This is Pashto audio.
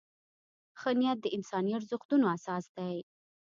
ښه نیت د انساني ارزښتونو اساس دی.